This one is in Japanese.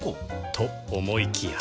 と思いきや